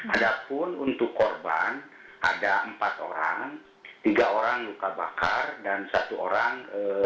ada pun untuk korban ada empat orang tiga orang luka bakar dan satu orang